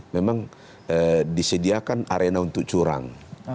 memang disediakan arena untuk curang